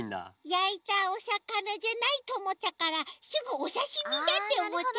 やいたおさかなじゃないとおもったからすぐおさしみだっておもっちゃいました。